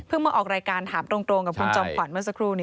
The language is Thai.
มาออกรายการถามตรงกับคุณจอมขวัญเมื่อสักครู่นี้